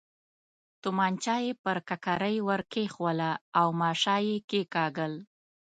تومانچه یې پر ککرۍ ور کېښووله او ماشه یې کېکاږل.